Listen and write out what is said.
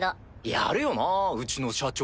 やるよなうちの社長。